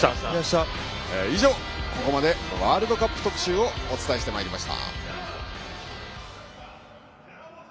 以上、ここまでワールドカップ特集をお伝えしてまいりました。